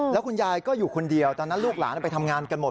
แล้วคุณยายก็อยู่คนเดียวตอนนั้นลูกหลานไปทำงานกันหมด